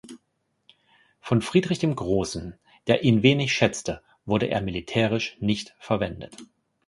Von Friedrich dem Großen, der ihn wenig schätzte, wurde er militärisch nicht verwendet.